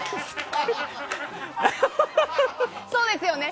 そうですよね。